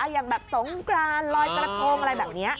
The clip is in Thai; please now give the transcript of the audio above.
อย่างแบบสงกรานลอยกระทงอะไรแบบนี้